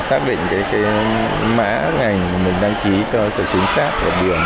xác định cái mã ngành mình đăng ký cho sự chính xác và điều